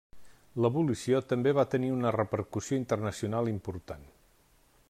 L'abolició també va tenir una repercussió internacional important.